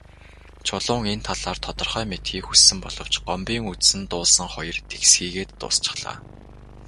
Чулуун энэ талаар тодорхой мэдэхийг хүссэн боловч Гомбын үзсэн дуулсан хоёр тэгсхийгээд дуусчихлаа.